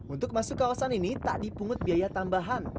untuk masuk kawasan ini tak dipungut biaya tambahan